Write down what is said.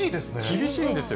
厳しいんですよ。